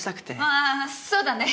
ああそうだね。